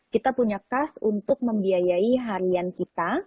kita punya kas untuk membiayai harian kita